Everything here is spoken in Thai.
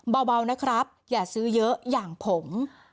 เบานะครับอย่าซื้อเยอะอย่างผม